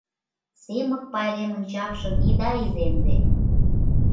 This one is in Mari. Семык пайремын чапшым ида иземде!